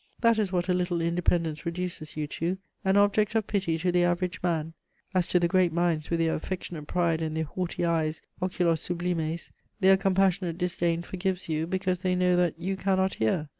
That is what a little independence reduces you to, an object of pity to the average man: as to the great minds with their affectionate pride and their haughty eyes, oculos sublimes, their compassionate disdain forgives you, because they know that "you cannot hear."